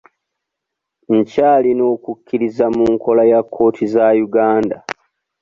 Nkyalina okukkiriza mu nkola ya kkooti za Uganda.